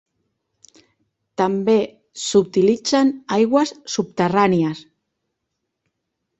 També s'utilitzen aigües subterrànies.